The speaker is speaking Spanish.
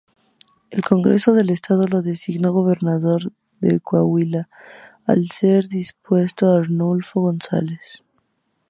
El Congreso del Estado lo designó gobernador de Coahuila al ser depuesto Arnulfo González.